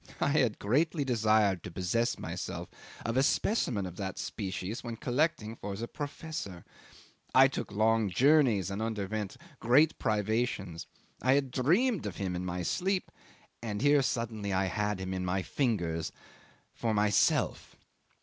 I had greatly desired to possess myself of a specimen of that species when collecting for the professor. I took long journeys and underwent great privations; I had dreamed of him in my sleep, and here suddenly I had him in my fingers for myself!